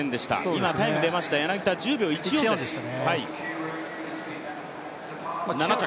今、タイムが出ました、柳田は１０秒１４で７着。